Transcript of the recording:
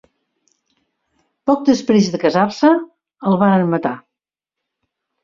Poc després de casar-se, el varen matar.